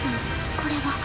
これは。